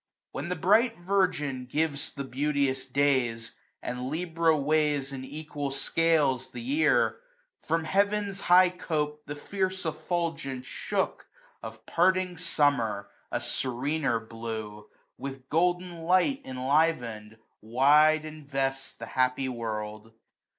When the bright Virgin gives the beauteous days, And Libra weighs in equal scales the year ; From heaven's high cope the fierce effulgence shook Of parting Summer, a serener blue, 26 With golden light enliven'd, wide invests The happy world.